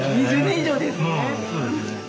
２０年以上ですね。